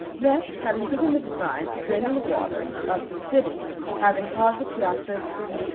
Next, having given the design for draining the waters of the city, having caused the Piazza di S.